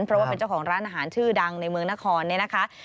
เพราะว่าเป็นเจ้าของร้านอาหารชื่อดังในเมืองนครเนี่ยนะคะ